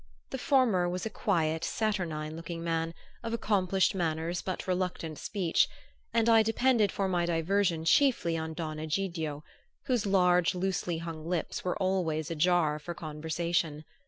The former was a quiet saturnine looking man, of accomplished manners but reluctant speech, and I depended for my diversion chiefly on Don Egidio, whose large loosely hung lips were always ajar for conversation.